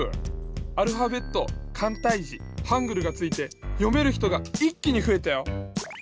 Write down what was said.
アルファベットかんたいじハングルがついてよめるひとがいっきにふえたよ。